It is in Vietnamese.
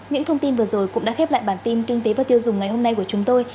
những thông tin vừa rồi cũng đã khép lại bản tin kinh tế và tiêu dùng ngày hôm nay của chúng tôi